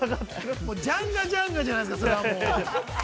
ジャンガジャンガじゃないですか、それはもう。